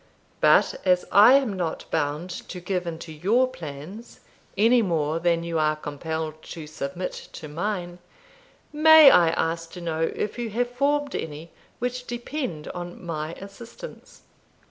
But as I am not bound to give in to your plans, any more than you are compelled to submit to mine, may I ask to know if you have formed any which depend on my assistance?"